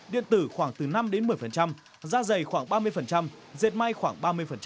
điện tử khoảng từ năm đến một mươi da dày khoảng ba mươi dệt may khoảng ba mươi